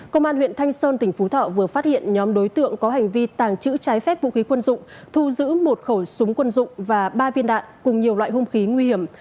công an huyện thanh sơn tỉnh phú thọ vừa phát hiện nhóm đối tượng có hành vi tàng trữ trái phép vũ khí quân dụng thu giữ một khẩu súng quân dụng và ba viên đạn cùng nhiều loại hung khí nguy hiểm